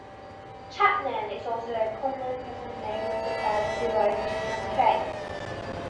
Chapman is also a common personal name of the class derived from trades.